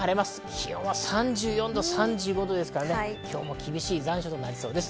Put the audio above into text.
気温は３４度、３５度と、今日も厳しい残暑となりそうです。